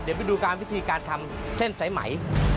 เดี๋ยวไปดูวิธีการทำเส้นไสมัย